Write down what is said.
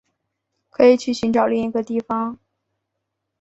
可以去寻找另一个地方